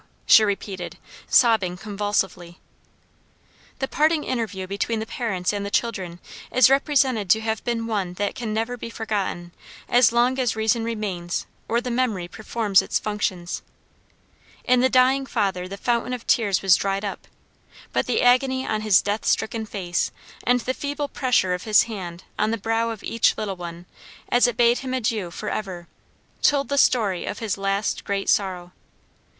She repeated, sobbing convulsively. The parting interview between the parents and the children is represented to have been one that can never be forgotten as long as reason remains or the memory performs its functions. In the dying father the fountain of tears was dried up; but the agony on his death stricken face and the feeble pressure of his hand on the brow of each little one as it bade him adieu for ever, told the story of his last great sorrow.